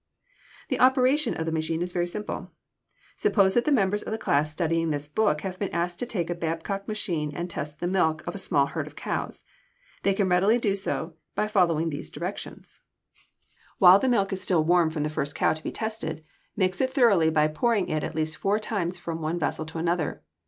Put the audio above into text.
The operation of the machine is very simple. Suppose that the members of the class studying this book have been asked to take a Babcock machine and test the milk of a small herd of cows. They can readily do so by following these directions: While the milk is still warm from the first cow to be tested, mix it thoroughly by pouring it at least four times from one vessel to another.